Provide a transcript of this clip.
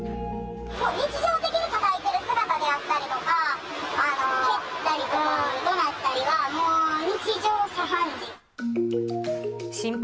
日常的にたたいている姿であったりとか、蹴ったりとかどなったりはもう日常茶飯事。